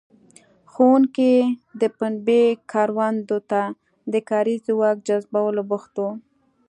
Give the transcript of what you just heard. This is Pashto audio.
ښوونکي د پنبې کروندو ته د کاري ځواک جذبولو بوخت وو.